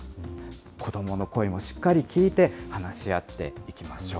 子どもの声もしっかり聞いて話し合っていきましょう。